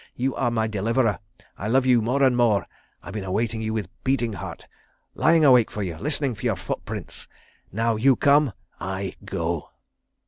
You are my deliverer. I love you more and more. I've been awaiting you with beating heart—lying awake for you, listening for your footprints. Now you come—I go."